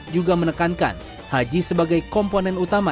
juga menekankan haji sebagai komponen utama